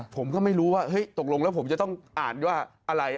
ผมก็ไม่รู้ว่าเฮ้ยตกลงแล้วผมจะต้องอ่านว่าอะไร